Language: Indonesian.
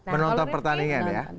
menonton pertandingan ya